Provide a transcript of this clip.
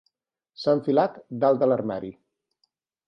S'ha enfilat dalt de l'armari.